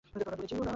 দূরে যেও না।